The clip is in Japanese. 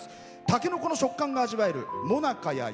たけのこの食感が味わえるもなか